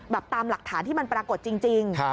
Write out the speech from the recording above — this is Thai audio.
ตามหลักฐานที่มันปรากฏจริง